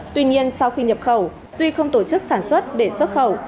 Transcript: tuy nhiên sau khi nhập khẩu duy không tổ chức sản xuất để xuất khẩu